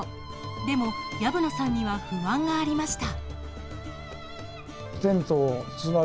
でも、薮野さんには不安がありました。